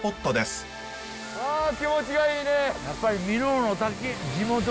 わあ気持ちがいいね！